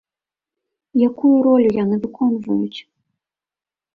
Якую ролю яны выконваюць?